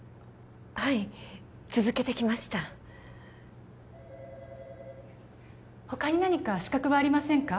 はい続けてきました他に何か資格はありませんか？